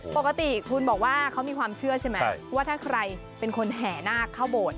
ปกติคุณบอกว่าเขามีความเชื่อใช่ไหมว่าถ้าใครเป็นคนแห่นาคเข้าโบสถ์